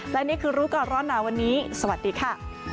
และนี่คือรู้ก่อนร้อนหนาวันนี้สวัสดีค่ะ